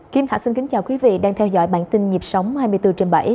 kim thạch xin kính chào quý vị đang theo dõi bản tin nhịp sóng hai mươi bốn trên bảy